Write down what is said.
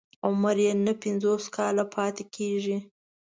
عمر يې نهه پنځوس کاله پاتې کېږي.